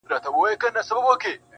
بد بوټي ته سپي هم بولي نه کوي -